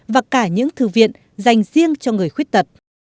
và cả những thư viện dành riêng cho người khuyết tật